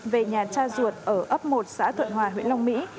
về nhà cha ruột ở ấp một xã thuận hòa huyện long mỹ